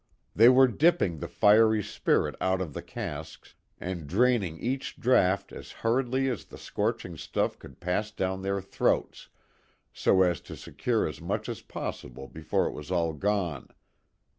They were dipping the fiery spirit out of the casks, and draining each draught as hurriedly as the scorching stuff could pass down their throats, so as to secure as much as possible before it was all gone.